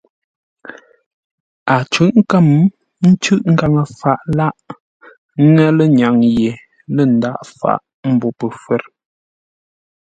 A cʉ̂ʼ kə̌m, cûʼ ngaŋə-faʼ lâʼ, ŋə́ lə́ŋyâŋ ye, lə ndaghʼ fáʼ mbô pəfə̌r.